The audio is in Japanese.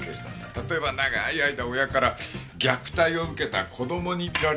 例えば長い間親から虐待を受けた子供に見られるケースなんだ。